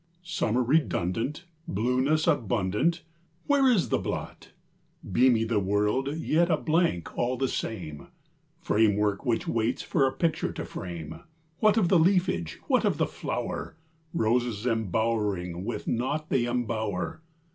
Summer redundant, Blueness abundant, Where is the blot? Beamy the world, yet a blank all the same, Framework which waits for a picture to frame: What of the leafage, what of the flower? Roses embowering with naught they embower!